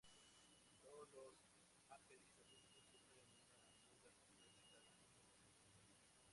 Todos los ampelis adultos sufren una muda completa cada año entre agosto y enero.